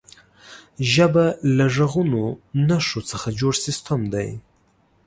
ژبه له غږیزو نښو څخه جوړ سیستم دی.